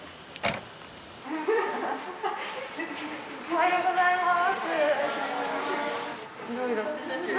おはようございます。